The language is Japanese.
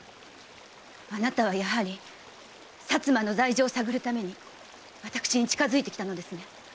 あなたはやはり薩摩の罪状を探るために私に近づいてきたのですね。